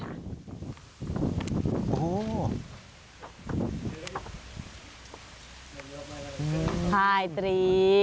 พลายตรี